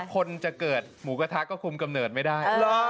คนจะเกิดหมูกระทะก็คุมกำเนิดไม่ได้